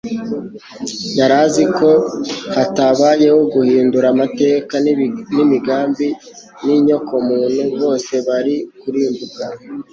Yari azi ko hatabayeho guhindura amateka n'imigambi y'inyokomuntu, bose bari kurimbuka